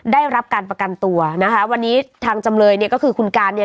ได้รับการประกันตัวนะคะวันนี้ทางจำเลยเนี่ยก็คือคุณการเนี่ย